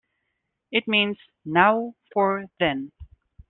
It means "now for then".